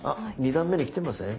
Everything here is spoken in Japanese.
３段目にきてますね。